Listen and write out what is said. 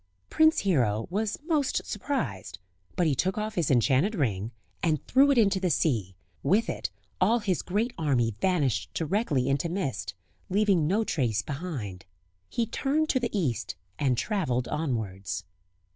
Prince Hero was most surprised; but he took off his enchanted ring and threw it into the sea; with it all his great army vanished directly into mist, leaving no trace behind. He turned to the East and travelled onwards.